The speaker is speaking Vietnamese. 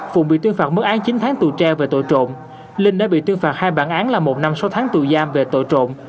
phùng bị tuyên phạt mức án chín tháng tù treo về tội trộm linh đã bị tuyên phạt hai bản án là một năm sáu tháng tù giam về tội trộm